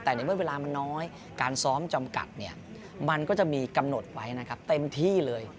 แต่ในเมื่อเวลามันน้อยการซ้อมจำกัดเนี่ยมันก็จะมีกำหนดไว้นะครับเต็มที่เลย